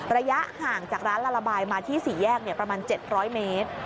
ระยะห่างจากร้านลาระบายมาที่๔แยกประมาณ๗๐๐เมตร